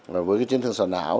và với trấn thương sợ não